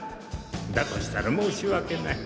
だとしたら申し訳ない。